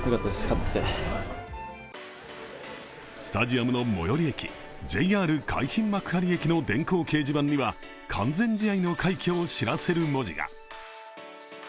スタジアムの最寄り駅ＪＲ海浜幕張駅の電光掲示板には完全試合の快挙を知らせる文字が。